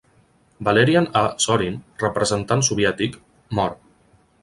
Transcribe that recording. Valerian A. Zorin, representant soviètic, mor.